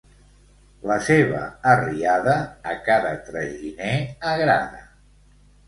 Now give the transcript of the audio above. La seva arriada a cada traginer agrada.